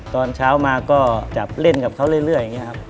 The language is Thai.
ตอนเช้ามาก็จับเล่นกับเขาเรื่อยอย่างนี้ครับ